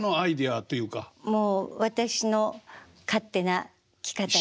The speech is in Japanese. もう私の勝手な着方で。